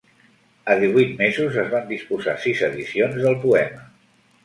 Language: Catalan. A divuit mesos es van disposar sis edicions del poema.